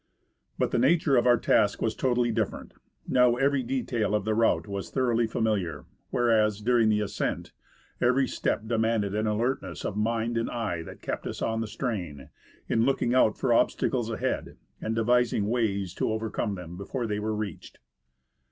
But the nature of our task was totally different. Now, every detail of the route was thoroughly familiar, whereas, durmg the ascent, every step demanded an alertness of mind and eye that kept us on the strain, in looking out for ob stacles ahead, and devising ways to overcome them before they were reached.